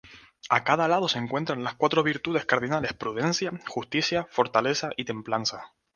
A cada lado se encuentran las cuatro virtudes cardinales, prudencia, justicia, fortaleza y templanza.